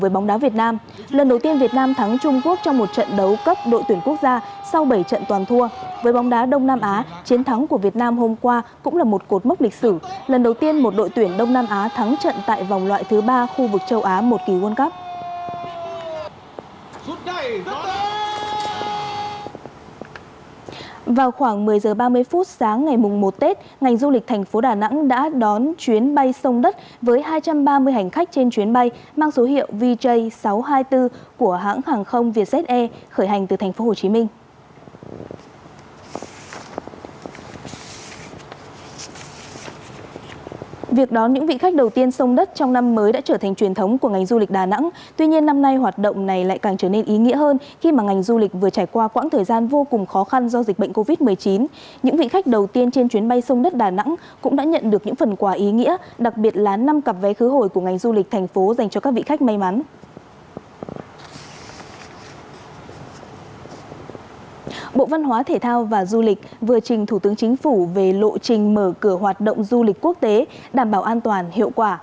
bộ văn hóa thể thao và du lịch vừa trình thủ tướng chính phủ về lộ trình mở cửa hoạt động du lịch quốc tế đảm bảo an toàn hiệu quả